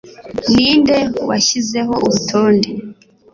Ninde washyizeho urutonde